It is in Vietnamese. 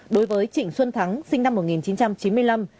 đối với trịnh xuân thắng sinh năm một nghìn chín trăm chín mươi năm